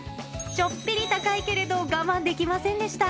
ちょっぴり高いけれど、我慢できませんでした。